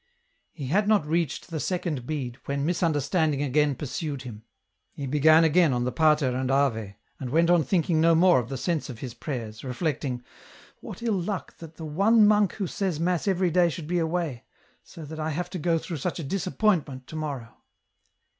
He had not reached the second bead, when misunder standing again pursued him. He began again on the Patei and Ave, and went on thinking no more of the sense of his prayers, reflecting :" What ill luck that the one monk who says mass every day should be away, so that I have to go through such a disappointment to morrow